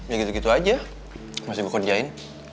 ya gitu gitu aja masih gue kerjain